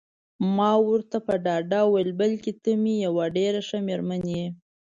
ما ورته په ډاډ وویل: بلکل ته مې یوه ډېره ښه میرمن یې.